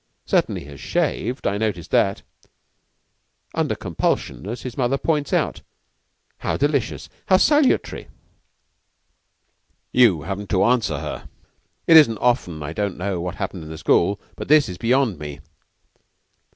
Certainly he has shaved. I noticed that." "Under compulsion, as his mother points out. How delicious! How salutary!" "You haven't to answer her. It isn't often I don't know what has happened in the school; but this is beyond me."